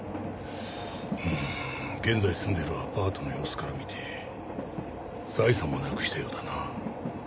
現在住んでいるアパートの様子から見て財産もなくしたようだな。